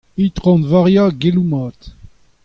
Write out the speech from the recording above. I.V. Geloù Mat.